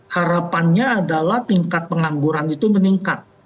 harapannya adalah tingkat pengangguran itu meningkat